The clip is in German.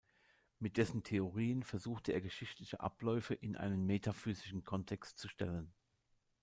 Mit dessen Theorien versuchte er geschichtliche Abläufe in einen metaphysischen Kontext zu stellen.